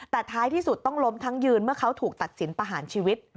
แต่ท้ายที่สุดต้องล้มทั้งยืนเมื่อเขาถูกตัดสินประหารชีวิต